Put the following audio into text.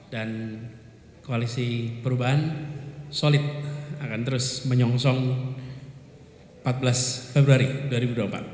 dan koalisi perubahan solid akan terus menyongsong empat belas februari dua ribu dua puluh empat